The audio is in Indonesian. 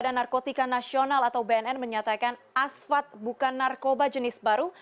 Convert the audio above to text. badan narkotika nasional atau bnn menyatakan asfad bukan narkoba jenis baru